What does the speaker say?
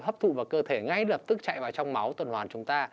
hấp thụ vào cơ thể ngay lập tức chạy vào trong máu tuần hoàn chúng ta